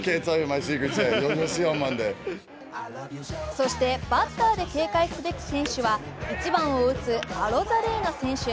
そしてバッターで警戒すべき選手は１番を打つアロザレーナ選手。